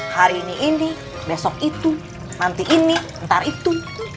hari ini ini besok itu nanti ini ntar itu